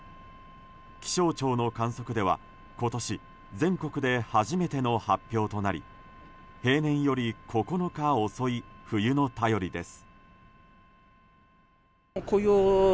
気象庁の観測では今年全国で初めての発表となり平年より９日遅い冬の便りです。